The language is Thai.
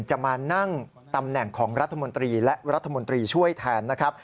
จะมานั่งตำแหน่งของรัฐมนตรีและรัฐมนตรีช่วยแทนนะครับ